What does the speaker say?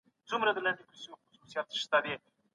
د نسبي پرمختګ مفهوم مهم دی.